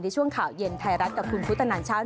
ในช่วงข่าวเย็นไทยรัฐกับคุณพุทธนันชาติ